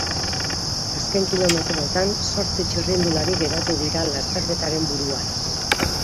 Azken kilometroetan zortzi txirrindulari geratu dira lasterketaren buruan.